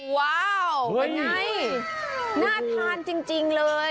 ว้าวเป็นไงน่าทานจริงเลย